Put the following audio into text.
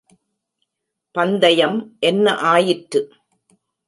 பந்தயம் என்ன ஆயிற்று?